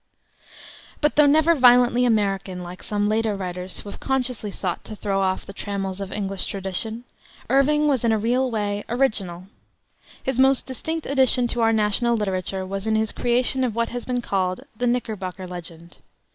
But though never violently "American," like some later writers who have consciously sought to throw off the trammels of English tradition, Irving was in a real way original. His most distinct addition to our national literature was in his creation of what has been called "the Knickerbocker legend."